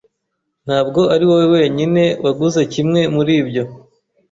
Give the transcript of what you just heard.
Ntabwo ari wowe wenyine waguze kimwe muri ibyo.